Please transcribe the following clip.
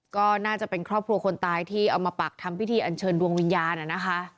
ก็น่าจะเป็นครอบครัวคนตายที่เอามาปักทำพิธีอันเชิญดวงวิญญาณนะคะ